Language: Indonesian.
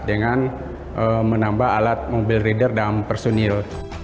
dengan menambah alat mobil reader dan personil